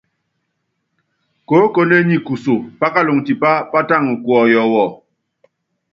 Koókone nyi kuso, pákaluŋɔ tipá pátala kuɔyɔ wu.